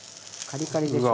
カリカリです。